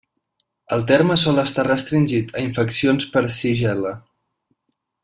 El terme sol estar restringit a infeccions per shigel·la.